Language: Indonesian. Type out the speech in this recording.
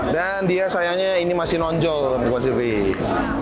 dan dia sayangnya ini masih nonjol gue kasih tih